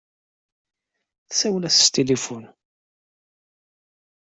Tessawel-as s tilifun.